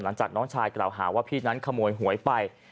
หลังจากน้องชายกล่าวหาว่าพี่นั้นขโมยหวยไป